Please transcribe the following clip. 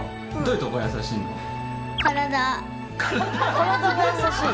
体が優しい。